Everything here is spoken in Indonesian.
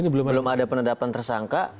belum ada penedapan tersangka